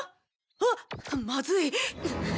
あっまずい。